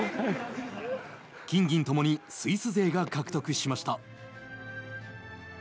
金、銀ともにスイス勢が獲得しました。